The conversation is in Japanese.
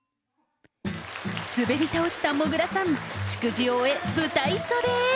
すべり倒したもぐらさん、祝辞を終え、舞台袖へ。